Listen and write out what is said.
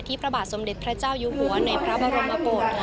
ที่ประบาทสมเด็จพระเจ้ายูหัวหน่วยพระบรมโปรต